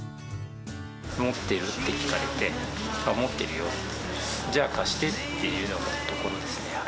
持ってる？って聞かれて、持ってるよ、じゃあ、貸してっていうところですね。